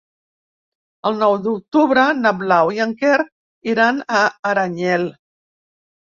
El nou d'octubre na Blau i en Quer iran a Aranyel.